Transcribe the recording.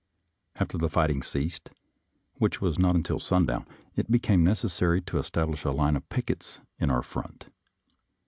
After the fighting ceased, which was not until sundown, it became necessary to establish a line of pickets in our front.